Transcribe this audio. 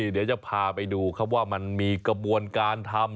เดี๋ยวจะพาไปดูครับว่ามันมีกระบวนการทำ